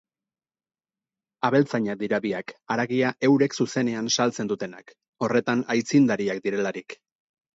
Abeltzainak dira biak, haragia eurek zuzenean saltzen dutenak, horretan aitzindariak direlarik.